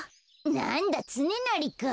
なんだつねなりか。